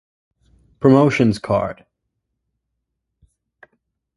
Promotions card.